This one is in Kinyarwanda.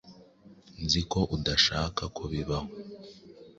Nzi ko udashaka ko bibaho.